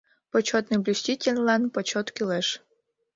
Почётный блюстительлан почёт кӱлеш.